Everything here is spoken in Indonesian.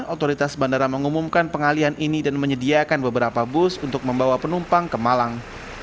otoritas bandara mengumumkan pengalian ini dan menyediakan beberapa bus untuk membawa penumpang ke malang